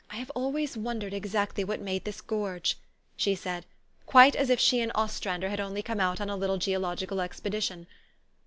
4 1 have always wondered exactly what made this gorge," she said, quite as if she and Ostrander had only come out on a little geological expedition.